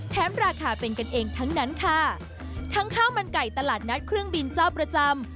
ราคาเป็นกันเองทั้งนั้นค่ะทั้งข้าวมันไก่ตลาดนัดเครื่องบินเจ้าประจำ